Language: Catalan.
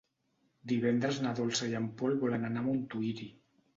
Divendres na Dolça i en Pol volen anar a Montuïri.